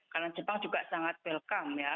karena jepang juga sangat welcome ya